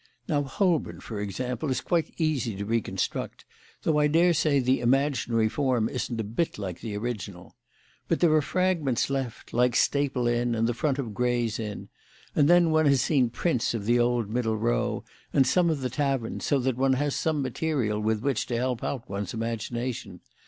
"Now Holborn, for example, is quite easy to reconstruct, though I daresay the imaginary form isn't a bit like the original. But there are fragments left, like Staple Inn and the front of Gray's Inn; and then one has seen prints of the old Middle Row and some of the taverns, so that one has some material with which to help out one's imagination.